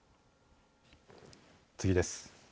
次です。